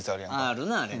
あるなあれな。